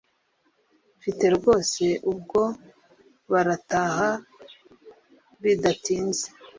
mufite rwose Ubwo barataha Bidatinze